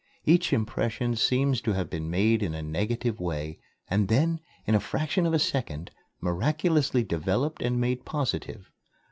Each impression seems to have been made in a negative way and then, in a fraction of a second, miraculously developed and made positive.